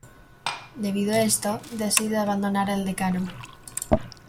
Debido a esto, decide abandonar el Decano.